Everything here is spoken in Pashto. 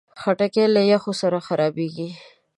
خټکی له یخو سره خرابېږي.